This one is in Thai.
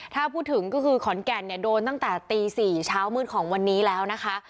ถ้าพูดถึงก็คือขอนแก่นเนี่ยโดนตั้งแต่ตี๔เช้ามืดของวันนี้แล้วนะคะ